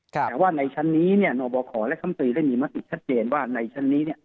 แต่ว่าในชั้นนี้เนี่ยนบคและคำตรีได้มีมติชัดเจนว่าในชั้นนี้